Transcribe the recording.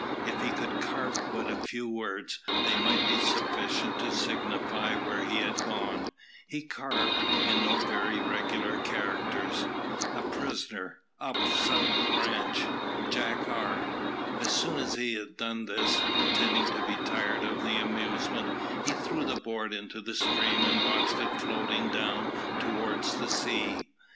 If he could carve but a few words, they might be sufficient to signify where he had gone. He carved, in no very regular characters, "A prisoner, up south branch. Jack R." As soon as he had done this, pretending to be tired of the amusement, he threw the board into the stream and watched it floating down towards the sea.